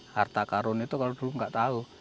harta karun itu kalau dulu nggak tahu